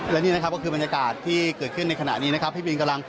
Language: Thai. และนี่นะครับก็คือบรรยากาศที่เกิดขึ้นในขณะนี้นะครับพี่บินกำลัง